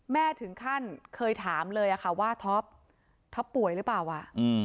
แม่ถึงขั้นเคยถามเลยว่าท็อปป่วยหรือเปล่า